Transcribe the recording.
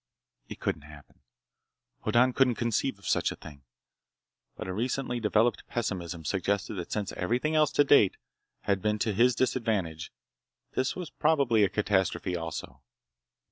It couldn't happen! Hoddan couldn't conceive of such a thing. But a recently developed pessimism suggested that since everything else, to date, had been to his disadvantage, this was probably a catastrophe also.